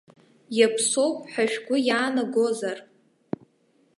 Иаԥсоуп ҳәа шәгәы иаанагозар.